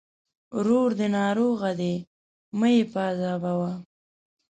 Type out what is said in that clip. ورور دې ناروغه دی! مه يې پاذابوه.